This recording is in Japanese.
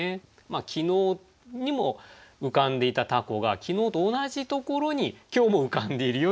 昨日にも浮かんでいた凧が昨日と同じところに今日も浮かんでいるよっていう。